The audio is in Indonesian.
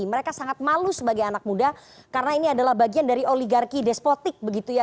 mereka sangat malu sebagai anak muda karena ini adalah bagian dari oligarki despotik begitu ya